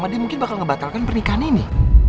dia mungkin bakal ngebatalkan pernikahan ini